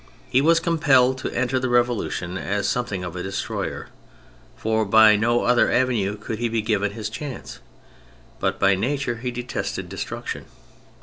He was compelled to enter the Revolution as something of a destroyer, for by no other avenue could he be given his chance ; but by nature he detested destruction.